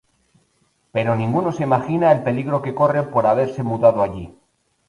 Pero ninguno se imagina el peligro que corre por haberse mudado allí.